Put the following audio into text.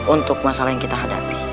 untuk masalah yang kita hadapi